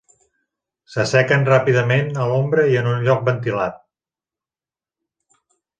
S'assequen ràpidament a l'ombra i en un lloc ventilat.